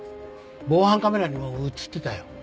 防犯カメラにも映ってたよ。